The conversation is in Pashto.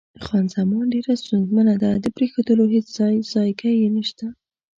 خان زمان: ډېره ستونزمنه ده، د پرېښودلو هېڅ ځای ځایګی یې نشته.